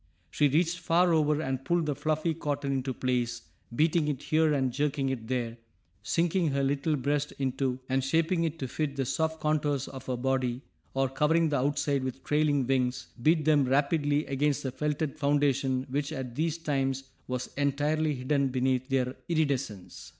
She reached far over and pulled the fluffy cotton into place, beating it here and jerking it there, sinking her little breast into and shaping it to fit the soft contours of her body; or, covering the outside with trailing wings, beat them rapidly against the felted foundation which at these times was entirely hidden beneath their iridescence.